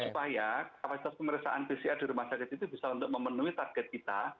supaya kapasitas pemeriksaan pcr di rumah sakit itu bisa untuk memenuhi target kita